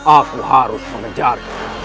aku harus mengejar